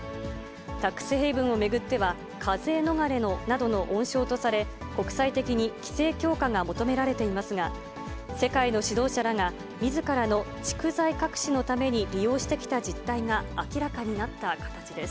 タックスヘイブンを巡っては、課税逃れなどの温床とされ、国際的に規制強化が求められていますが、世界の指導者らが、みずからの蓄財隠しのために利用してきた実態が明らかになった形です。